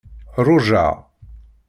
Ṛujaɣ.